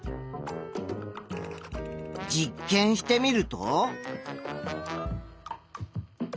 実験してみると。